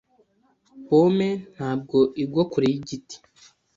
Pome ntabwo igwa kure yigiti.